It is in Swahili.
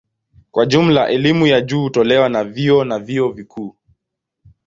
Kwa jumla elimu ya juu hutolewa na vyuo na vyuo vikuu.